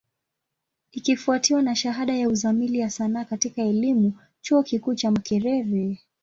Ikifwatiwa na shahada ya Uzamili ya Sanaa katika elimu, chuo kikuu cha Makerere.